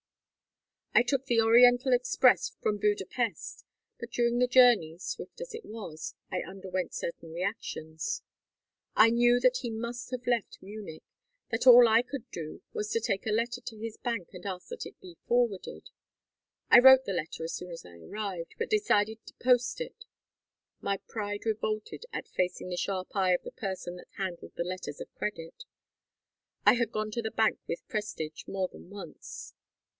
"I took the Oriental express from Budapest, but during the journey, swift as it was, I underwent certain reactions. I knew that he must have left Munich, that all I could do was to take a letter to his bank and ask that it be forwarded. I wrote the letter as soon as I arrived, but decided to post it; my pride revolted at facing the sharp eye of the person that handled the letters of credit. I had gone to the bank with Prestage more than once.